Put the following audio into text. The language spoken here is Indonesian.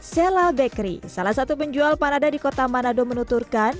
sella bakery salah satu penjual panada di kota manado menuturkan